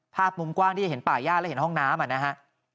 ภาพมุมกว้างที่จะเห็นป่าย่าและห้องน้ำ